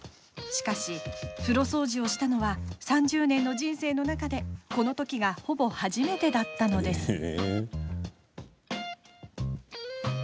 しかし、風呂掃除をしたのは３０年の人生の中でこのときがほぼ初めてだったのです。